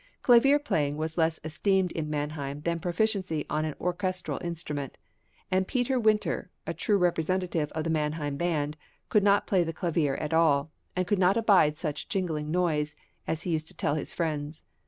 Clavier playing was less esteemed in Mannheim than proficiency on an orchestral instrument, and Peter Winter, a true representative of the Mannheim band, could not play the clavier at all, and could not abide such jingling noise, as he used to tell his friends.